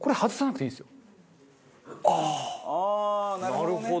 なるほどね。